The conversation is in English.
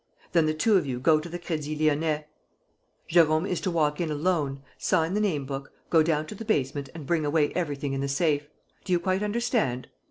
Then, the two of you, go to the Crédit Lyonnais. Jérôme is to walk in alone, sign the name book, go down to the basement and bring away everything in the safe. Do you quite understand?"